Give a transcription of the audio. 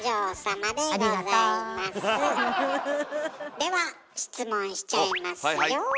では質問しちゃいますよ。